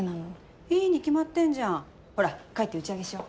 いいに決まってんじゃんほら帰って打ち上げしよ。